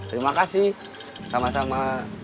terima kasih sama sama